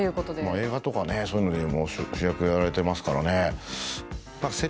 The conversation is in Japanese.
映画とかそういうのでもう主役やられてますからね。